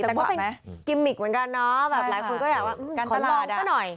แต่ก็เป็นกิมมิกเหมือนกันเนาะแบบหลายคนก็อยากว่ากันตลอดซะหน่อย